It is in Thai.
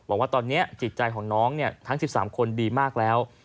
บอกว่าตอนนี้จิตใจของน้องทั้ง๑๓คนดีมากแล้ว